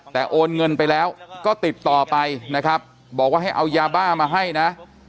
แต่โอนเงินไปแล้วก็ติดต่อไปนะครับบอกว่าให้เอายาบ้ามาให้นะ